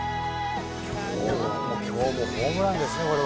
今日もホームランですねこれは。